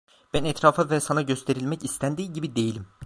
Ben etrafa ve sana gösterilmek istendiği gibi değilim.